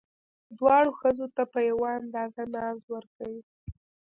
دواړو ښځو ته په یوه اندازه ناز ورکئ.